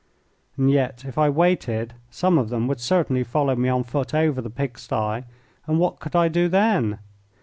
And yet if I waited some of them would certainly follow me on foot over the pig sty, and what could I do then?